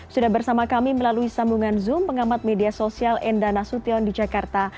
sudah bersama kami melalui sambungan zoom pengamat media sosial enda nasution di jakarta